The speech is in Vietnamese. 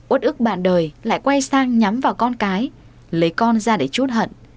ốt ức bàn đời lại quay sang nhắm vào con cái lấy con ra để chút hận